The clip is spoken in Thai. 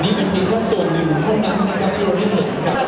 นี่เป็นภาษาส่วนหนึ่งห้องน้ำนะครับที่เราได้เผ็ดครับ